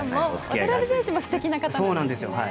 渡邊選手も素敵な方なんですね。